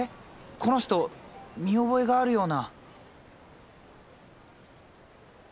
この人見覚えがあるような。